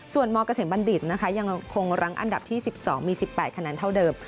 ส่วนมเกษมบัณฑิตนะคะยังคงรั้งอันดับที่๑๒มี๑๘คะแนนเท่าเดิม